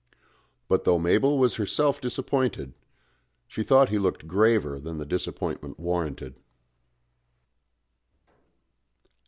But though Mabel was herself disappointed, she thought he looked graver than the disappointment warranted.